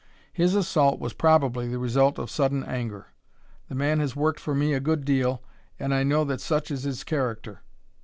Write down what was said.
His assault was probably the result of sudden anger. The man has worked for me a good deal, and I know that such is his character.